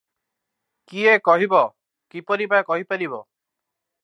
କିଏ କହିବ; କିପରି ବା କହିପାରିବ?